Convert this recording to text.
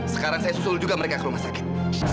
sekarang saya susul juga mereka ke rumah sakit